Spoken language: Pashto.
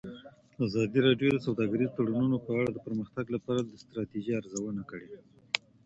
ازادي راډیو د سوداګریز تړونونه په اړه د پرمختګ لپاره د ستراتیژۍ ارزونه کړې.